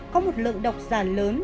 có một lượng đọc giả lớn